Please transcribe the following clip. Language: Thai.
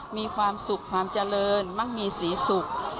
มีความสุขความเจริญมั่งมีศรีสุข